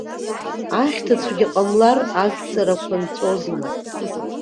Ахьҭацәгьа ҟамлар, ажәҵарақәа нҵәозма?